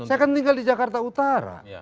saya kan tinggal di jakarta utara